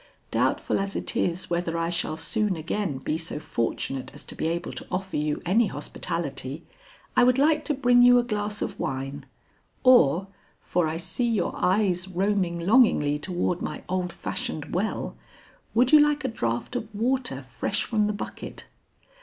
Doubtful as it is whether I shall soon again be so fortunate as to be able to offer you any hospitality, I would like to bring you a glass of wine or, for I see your eyes roaming longingly toward my old fashioned well, would you like a draft of water fresh from the bucket?"